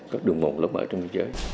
các đường ngộ lớn mở trong biên giới